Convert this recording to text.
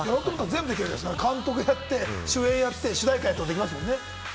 監督やって、主演やって、主題歌やってる人もいますもんね。